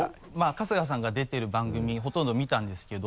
春日さんが出てる番組ほとんど見たんですけど。